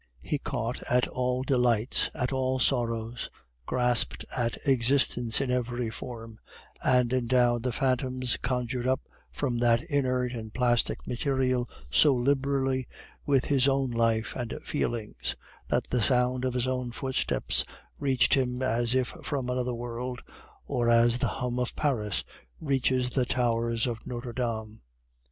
He caught at all delights, at all sorrows; grasped at existence in every form; and endowed the phantoms conjured up from that inert and plastic material so liberally with his own life and feelings, that the sound of his own footsteps reached him as if from another world, or as the hum of Paris reaches the towers of Notre Dame.